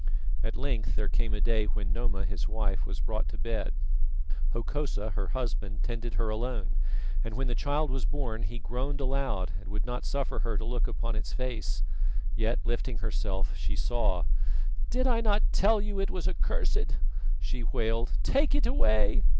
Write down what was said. At length there came a day when Noma, his wife, was brought to bed. Hokosa, her husband, tended her alone, and when the child was born he groaned aloud and would not suffer her to look upon its face. Yet, lifting herself, she saw. "Did I not tell you it was accursed?" she wailed. "Take it away!"